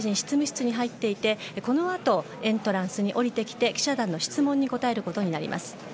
そして、このあとエントランスに下りてきて記者団の質問に答えることになります。